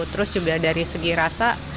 terus juga dari segi rasa